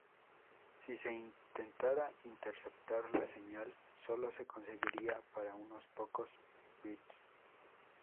Si se intentara interceptar la señal, sólo se conseguiría para unos pocos bits.